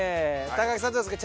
木さんどうですか？